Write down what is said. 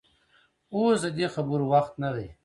اوس د دې خبرو وخت نه دى.